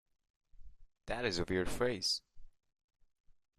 That is a weird phrase.